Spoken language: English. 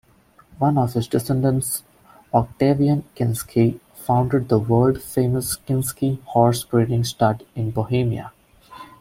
One of his descendants Oktavian Kinsky, founded the world-famous Kinsky-horse breeding Stud in Bohemia.